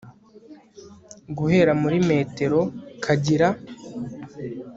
guhera muri metero kagira